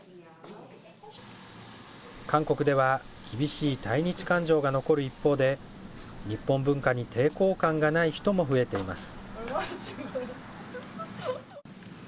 韓国では厳しい対日感情が残る一方で、日本文化に抵抗感がない人も増えています。